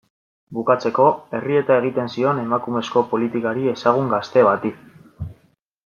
Bukatzeko, errieta egiten zion emakumezko politikari ezagun gazte bati.